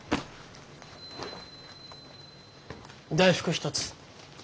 大福１つ。